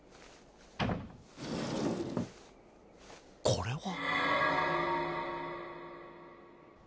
これは。